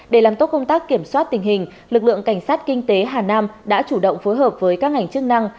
để làm tốt công tác kiểm soát tình hình lực lượng cảnh sát kinh tế hà nam đã chủ động phối hợp với các ngành chức năng